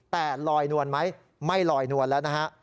แต่ลอยนวลไหมไม่ลอยนวลแล้วนะฮะ